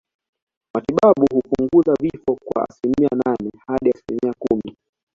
Matibabu hupunguza vifo kwa asilimia nane hadi asilimia kumi